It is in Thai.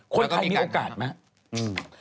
คนไทยมีโอกาสไหม